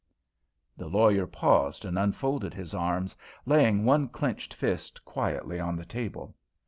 The lawyer paused and unfolded his arms, laying one clenched fist quietly on the table.